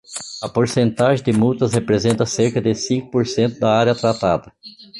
A porcentagem de multas representa cerca de cinco por cento da área tratada.